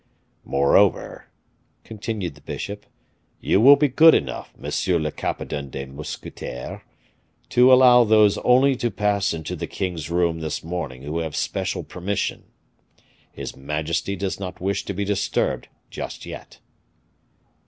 "Moreover," continued the bishop, "you will be good enough, monsieur le capitaine des mousquetaires, to allow those only to pass into the king's room this morning who have special permission. His majesty does not wish to be disturbed just yet."